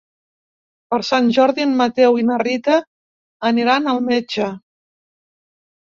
Per Sant Jordi en Mateu i na Rita aniran al metge.